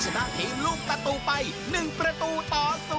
สำว่างทีมลูกประตูไป๑ประตูต่อ๐